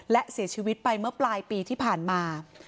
และเสียชีวิตไปเมื่อปลายปีที่ผ่านมา